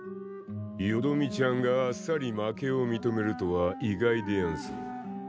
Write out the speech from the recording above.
よどみちゃんがあっさり負けを認めるとは意外でやんす。